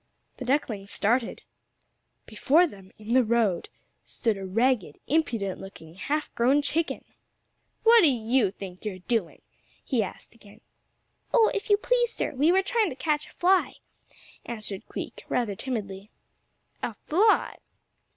The ducklings started. Before them, in the road, stood a ragged, impudent looking, half grown chicken. "What do you think you're doing?" he asked again. "Oh, if you please, sir, we were trying to catch a fly," answered Queek rather timidly. "A fly!